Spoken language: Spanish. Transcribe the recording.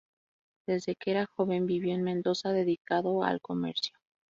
Desde que era joven vivió en Mendoza, dedicado al comercio.